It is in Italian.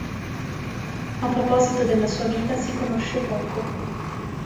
A proposito della sua vita si conosce poco.